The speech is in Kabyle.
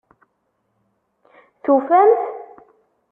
Tufam-t?